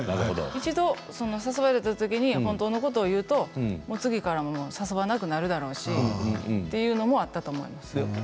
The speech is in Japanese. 一度誘われたときに本当のこと言うと次から誘わなくなるだろうしというのもあったと思います。